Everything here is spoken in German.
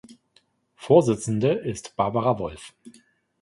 Vorsitzende ist Barbara Wolff.